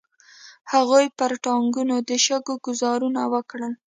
هغوی پر ټانګونو د شګو ګوزارونه وکړل.